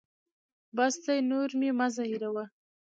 بس دی نور یې مه زهیروه.